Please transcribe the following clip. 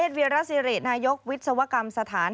ใช่ค่ะ